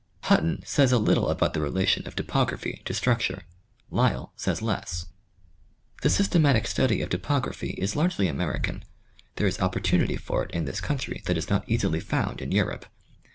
Button says a little about the relation of topography to struc ture; Lyell says less. The systematic study of topography is largely American. There is opportunity for it in this country that is not easily found in Europe.